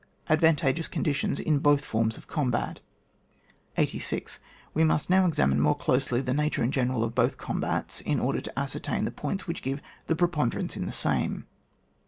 Advantageous conditions in both forms of combat. 86. We must now examine more closely the nature in general of both combats, in order to ascertain the points which give the preponderance in the same.